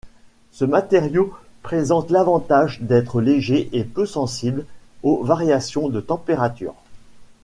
Ce matériau présente l'avantage d'être léger et peu sensible aux variations de température.